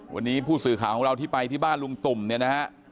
วันนี้ผู้สื่อข่าวของเราที่ไปที่บ้านลุงตุ่มเนี่ยนะฮะ